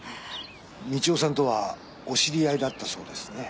道夫さんとはお知り合いだったそうですね。